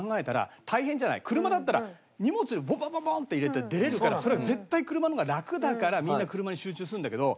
車だったら荷物ボンボンボンっと入れて出れるからそりゃ絶対車の方が楽だからみんな車に集中するんだけど。